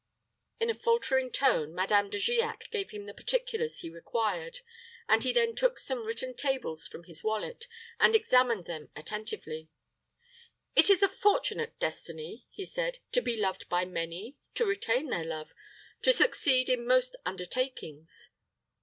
In a faltering tone, Madame De Giac gave him the particulars he required, and he then took some written tables from his wallet, and examined them attentively. "It is a fortunate destiny," he said, "to be loved by many to retain their love to succeed in most undertakings.